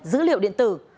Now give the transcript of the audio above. dữ liệu điện tử